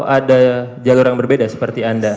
ada jalur yang berbeda seperti anda